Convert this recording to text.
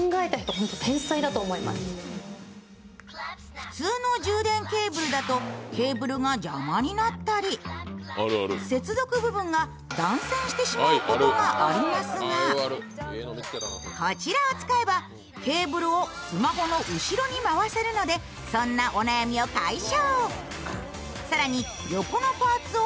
普通の充電ケーブルだと、ケーブルが邪魔になったり接続部分が断線してしまうことがありますが、こちらを使えば、ケーブルをスマホの後ろに回せるのでそんなお悩みを解消。